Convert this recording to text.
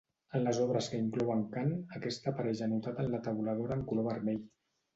En les obres que inclouen cant, aquest apareix anotat en la tabulatura en color vermell.